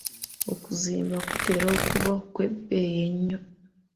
Okuzimba kutera okuba okw'ebbeeyi ennyo.